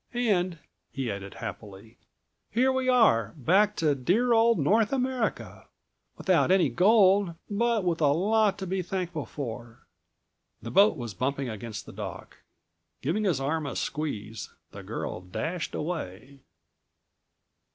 And," he added happily, "here we are, back to dear old North America, without any gold but with a lot to be thankful for." The boat was bumping against the dock. Giving his arm a squeeze the girl dashed away.